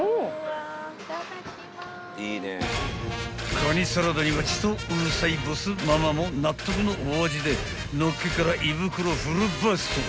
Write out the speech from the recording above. ［かにサラダにはちとうるさいボスママも納得のお味でのっけから胃袋フルバースト］